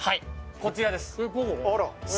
こちらです。